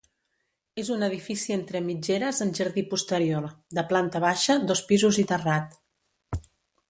És un edifici entre mitgeres amb jardí posterior, de planta baixa, dos pisos i terrat.